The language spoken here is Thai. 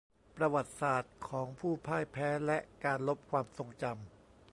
ประวัติศาสตร์ของผู้พ่ายแพ้และการลบความทรงจำ